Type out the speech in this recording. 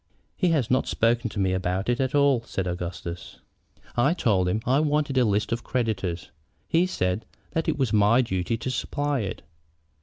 "He has not spoken to me about it at all," said Augustus. "I told him I wanted a list of the creditors. He said that it was my duty to supply it.